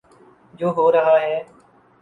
جو ہو رہا ہے۔